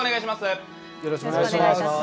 よろしくお願いします。